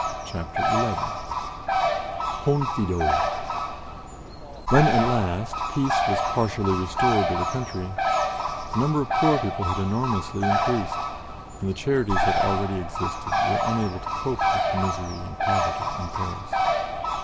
Chapter 11 "CONFIDO" WHEN at last peace was partially restored to the country, the number of poor people had enormously increased, and the charities that already existed were unable to cope with the misery and poverty in Paris.